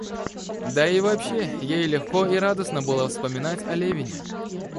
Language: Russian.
Да и вообще ей легко и радостно было вспоминать о Левине.